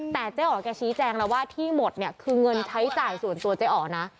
แต่เจ๊อ๋อแกชี้แจงแล้วว่าที่หมดเนี่ยคือเงินใช้จ่ายส่วนตัวเจ๊อ๋อนะ